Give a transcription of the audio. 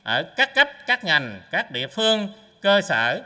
ở các cấp các ngành các địa phương cơ sở